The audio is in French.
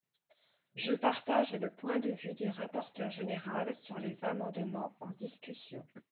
Je partage le point de vue du rapporteur général sur les amendements en discussion.